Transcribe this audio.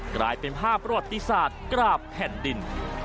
กลายเป็นภาพประวัติศาสตร์กราบแผ่นดิน